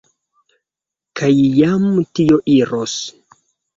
Kaj jam tio iros.